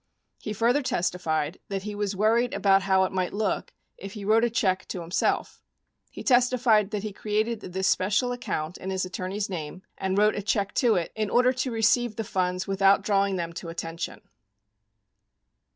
He further testified that he was "worried about how it might look if he wrote a check to him self." He testified that he created this special account in his attorney's name and wrote a check to it in order to receive the funds "without drawing them to attention."